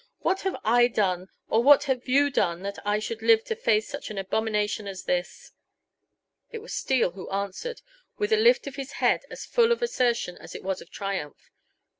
What have I done or what have you done that I should live to face such an abomination as this?" It was Steele who answered, with a lift of his head as full of assertion as it was of triumph.